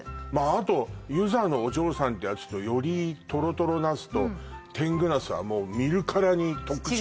あと遊佐のお嬢さんってやつと寄居とろとろナスと天狗なすはもう見るからに特殊よね